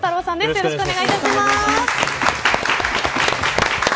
よろしくお願いします。